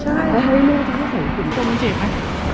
เจอมันเจ๋งไหม